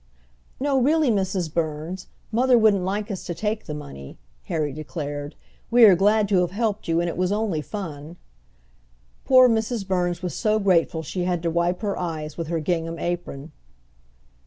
"No, really, Mrs. Burns; mother wouldn't like us to take the money," Harry declared. "We are glad to have helped you, and it was only fun." Poor Mrs. Burns was so grateful she had to wipe her eyes with her gingham apron.